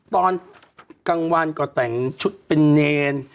ตอนกลางวันก็แต่งชุดเป็นเนร